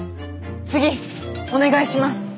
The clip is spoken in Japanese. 次お願いします！